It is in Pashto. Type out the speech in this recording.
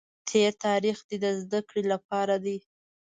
تېر تاریخ دې د زده کړې لپاره دی.